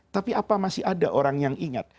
tapi apa masih ada orang yang ingat